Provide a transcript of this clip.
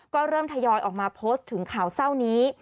ก็เริ่มทยอยออกมาโพสต์ถึงข่าวเศร้านี้